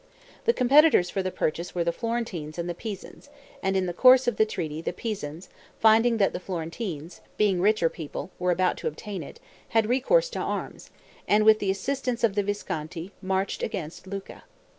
The competitors for the purchase were the Florentines and the Pisans; and in the course of the treaty the Pisans, finding that the Florentines, being the richer people, were about to obtain it, had recourse to arms, and, with the assistance of the Visconti, marched against Lucca.